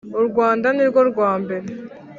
u rwanda ni rwo rwambere